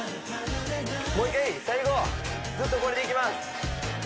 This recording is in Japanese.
もう一回最後ずっとこれでいきます